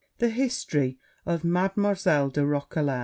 The history of Mademoiselle de Roquelair.